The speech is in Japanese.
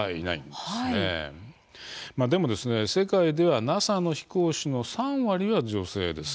でも世界ではＮＡＳＡの飛行士の３割が女性です。